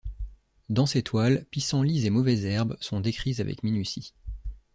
Dans ses toiles, pissenlits et mauvaises herbes sont décrits avec minutie.